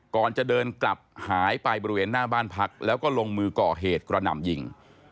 ก่อนจะเดินกลับหายไปบริเวณหน้าบ้านพักแล้วก็ลงมือก่อเหตุกระหน่ำยิง